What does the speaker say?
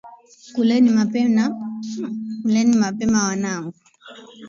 Kuleni mapema wanangu.